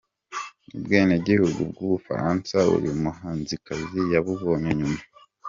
Ubwenegihugu bwUbufaransa uyu muhanzikazi yabubonye nyuma.